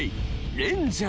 レンジャー！